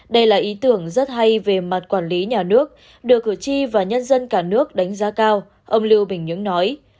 đây là ý tưởng rất hay về mặt quản lý nhà nước được cử tri và nhân dân cả nước đánh giá cao ông lưu bình nhưỡng nói